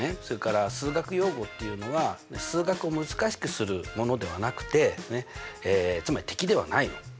それから数学用語っていうのは数学を難しくするものではなくてつまり敵ではないの。